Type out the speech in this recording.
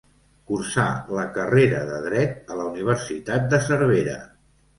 Cursà la carrera de dret a la Universitat de Cervera.